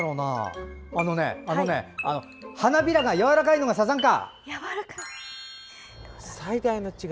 花びらがやわらかいのがサザンカ。